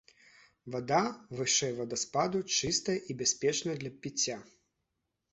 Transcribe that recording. Вада вышэй вадаспаду чыстая і бяспечная для піцця.